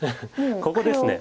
ここですね。